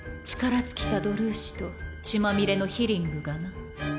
力尽きたドルーシと血まみれのヒリングがな。